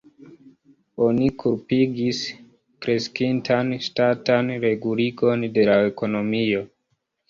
Oni kulpigis kreskintan ŝtatan reguligon de la ekonomio.